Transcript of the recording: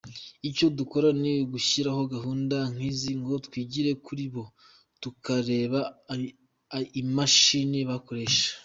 Icyo dukora ni ugushyiraho gahunda nk’izi ngo twigire kuri bo, tukareba imashini bakoresha.